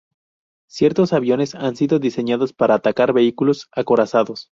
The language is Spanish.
Ciertos aviones han sido diseñados para atacar vehículos acorazados.